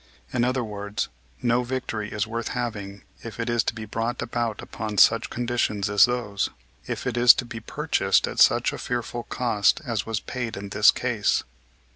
In other words, no victory is worth having if it is to be brought about upon such conditions as those, if it is to be purchased at such a fearful cost as was paid in this case."